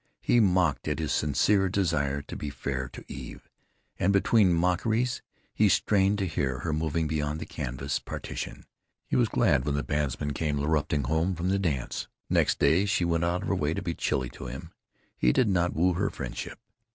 He mocked at his sincere desire to be fair to Eve. And between mockeries he strained to hear her moving beyond the canvas partition. He was glad when the bandsmen came larruping home from the dance. Next day she went out of her way to be chilly to him. He did not woo her friendship.